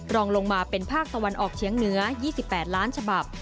รองลงมาเป็นภาคตะวันออกเฉียงเหนือ๒๘ล้านฉบับ